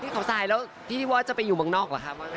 เขาทรายแล้วพี่ที่ว่าจะไปอยู่เมืองนอกเหรอคะ